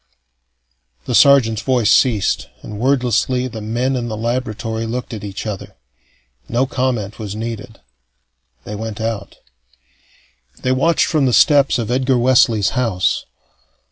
The sergeant's voice ceased, and wordlessly the men in the laboratory looked at each other. No comment was needed. They went out. They watched from the steps of Edgar Wesley's house.